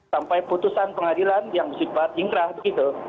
sampai putusan pengadilan yang cepat ingrah gitu